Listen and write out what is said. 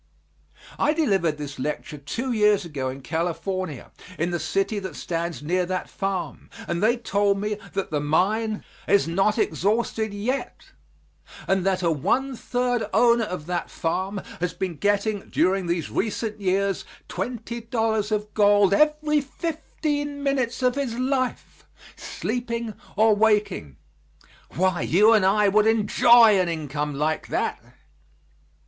I delivered this lecture two years ago in California, in the city that stands near that farm, and they told me that the mine is not exhausted yet, and that a one third owner of that farm has been getting during these recent years twenty dollars of gold every fifteen minutes of his life, sleeping or waking. Why, you and I would enjoy an income like that!